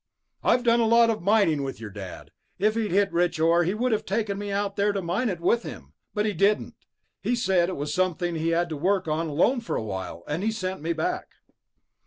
"I've done a lot of mining with your Dad. If he'd hit rich ore, he would have taken me out there to mine it with him. But he didn't. He said it was something he had to work on alone for a while, and he sent me back."